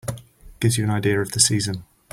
Gives you an idea of the season.